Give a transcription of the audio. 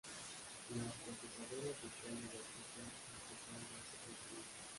Las procesadoras de caña de azúcar impulsaron ese crecimiento.